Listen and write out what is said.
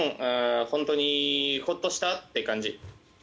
本当にほっとしたって感じ。